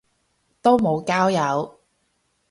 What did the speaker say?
都無交友